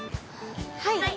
はい。